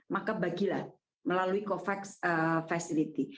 maka bagilah melalui covax facility